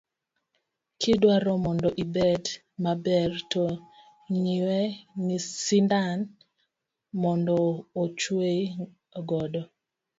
Kidwaro mondo ibed maber, to ngiiew sindan mondo ochuoyi godo.